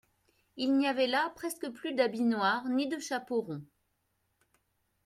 Il n'y avait là presque plus d'habits noirs ni de chapeaux ronds.